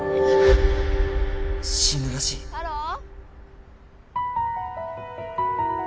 死ぬらしいたろー？